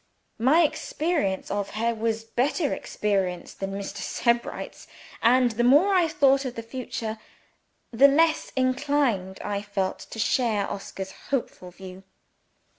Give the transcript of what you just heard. My experience of her was better experience than Mr. Sebright's and the more I thought of the future, the less inclined I felt to share Oscar's hopeful view.